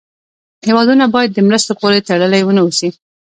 هېوادونه باید د مرستو پورې تړلې و نه اوسي.